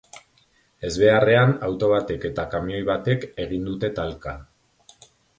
Ezbeharrean, auto batek eta kamioi batek egin dute talka.